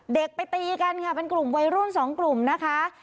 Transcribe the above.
เด็กไปตีกันค่ะเป็นกลุ่มวัยรุ่นสองกลุ่มนะคะ